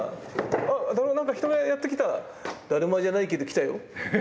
あっ何か人がやって来た！」。「だるまじゃないけど来たよ」。